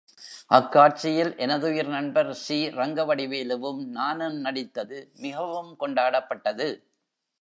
அக் காட்சியில் எனதுயிர் நண்பர் சி.ரங்கவடிவேலுவும் நானும் நடித்தது மிகவும் கொண்டாடப்பட்டது.